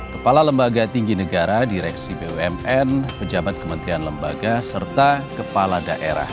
kepala lembaga tinggi negara direksi bumn pejabat kementerian lembaga serta kepala daerah